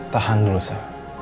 tahan dulu sa